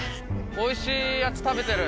おいしいやつ食べてる。